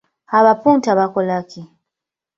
Abapunta bakola ki?